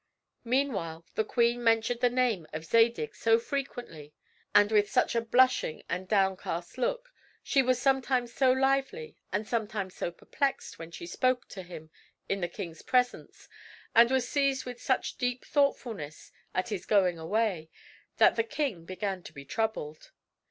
Meanwhile the queen mentioned the name of Zadig so frequently and with such a blushing and downcast look; she was sometimes so lively and sometimes so perplexed when she spoke to him in the king's presence, and was seized with such deep thoughtfulness at his going away, that the king began to be troubled.